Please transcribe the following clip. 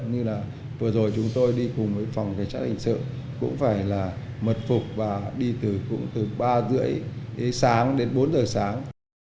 như là vừa rồi chúng tôi đi cùng với phòng trả hình sự cũng phải là mật phục và đi từ ba rưỡi sáng đến bốn giờ sáng